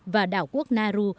và đảo quốc nauru